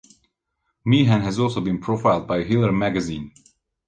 Meehan has also been profiled by "Hilary" magazine.